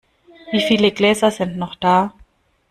Wieviele Gläser sind noch da?